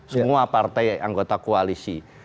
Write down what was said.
semua partai anggota koalisi